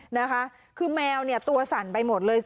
นะคะคือแมวเนี่ยตัวสั่นไปหมดเลย